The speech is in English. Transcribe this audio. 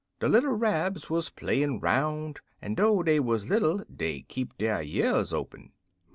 De little Rabs wuz playin' 'roun', en dough dey wuz little dey kep' der years open.